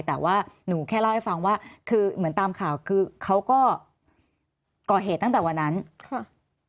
แต่ว่าหนูแค่เล่าให้ฟังว่าคือเหมือนตามข่าวคือเขาก็ก่อเหตุตั้งแต่วันนั้นค่ะ